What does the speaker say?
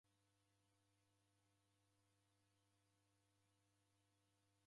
W'elee, Mwaw'enda hao?